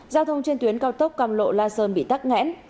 giao thông trên tuyến cao tốc cằm lộ la sơn bị tắt ngẽn